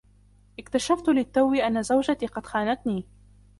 اكتشفت للتو أن زوجتي قد خانتني.